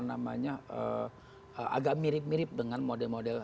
agak mirip mirip dengan model model